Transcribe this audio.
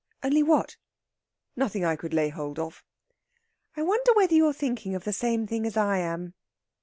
"Only what?" "Nothing I could lay hold of." "I wonder whether you're thinking of the same thing as I am?"